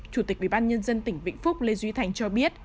chủ tịch ubnd tỉnh vĩnh phúc lê duy thành cho biết